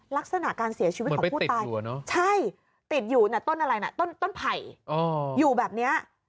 ลักษณะการเสียชีวิตของผู้ตายใช่ติดอยู่ต้นอะไรนะต้นไผ่อยู่แบบนี้